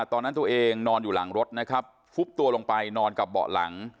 ตอนนั้นตัวเองนอนอยู่หลังรถนะครับฟุบตัวลงไปนอนกับเบาะหลัง